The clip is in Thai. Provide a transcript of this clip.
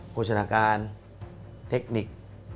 โฆษณาการเทคนิค